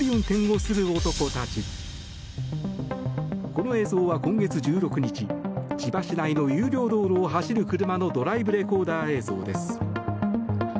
この映像は今月１６日千葉市内の有料道路を走る車のドライブレコーダー映像です。